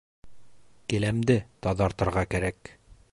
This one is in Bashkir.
Келәмде таҙартырға кәрәк